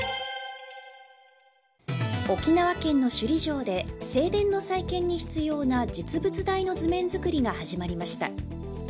沖縄県の首里城で正殿の再建に必要な実物大の図面作りが始まりました。